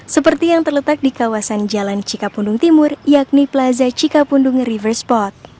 seperti yang terletak di kawasan jalan cikapundung timur yakni plaza cikapundung river spot